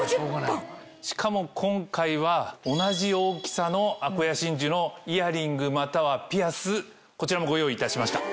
しかも今回は同じ大きさのアコヤ真珠のイヤリングまたはピアスこちらもご用意いたしました。